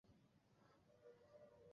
তারা মূলত পার্টি করছিল।